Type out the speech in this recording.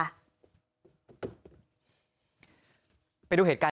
ไปดูเหตุการณ์นี้